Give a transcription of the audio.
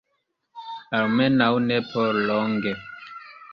Almenaŭ ne por longe.